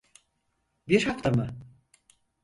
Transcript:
Bir hafta mı?